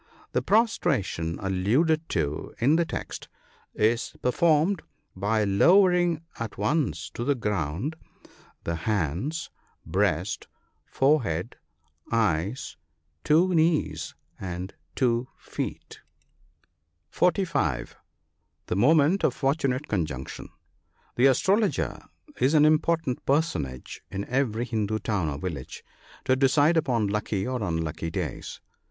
The prostration alluded to in the text is performed by lowering at once to the ground the hands, breast, forehead, eyes, two knees, and two feet. (450 The moment of fortunate conjunction. — The astrologer is an im portant personage in every Hindoo town or village to decide upon lucky or unlucky days.